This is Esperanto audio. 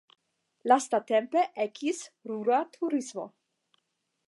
Lastatempe ekis rura turismo.